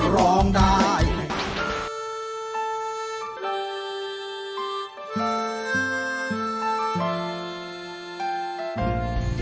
ร้องได้ให้ร้อง